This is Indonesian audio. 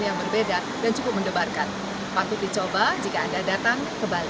yang berbeda dan cukup mendebarkan patut dicoba jika anda datang ke bali